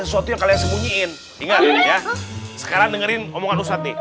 sesuatu yang kalian sembunyiin ingat ya sekarang dengerin omongan ustadz nih